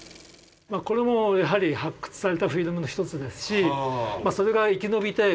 これもやはり発掘されたフィルムの一つですしそれが生き延びてここに保管されてる。